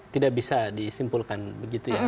tidak bisa disimpulkan begitu ya